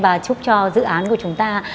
và chúc cho dự án của chúng ta